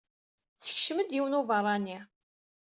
Tessekcem-d yiwen n ubeṛṛani.